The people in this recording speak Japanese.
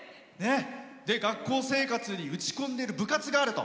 で、学校生活で打ち込んでる部活があると。